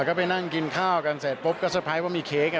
ก็ไปนั่งกินข้าวกันเสร็จปุ๊บก็สุดสนใจว่ามีเค้ก